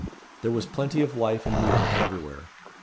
There was plenty of life and movement everywhere.